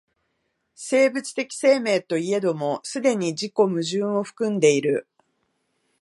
生物的生命といえども既に自己矛盾を含んでいる。